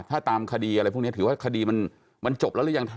ถ้าตามคดีอะไรพวกนี้ถือว่าคดีมันจบแล้วหรือยัง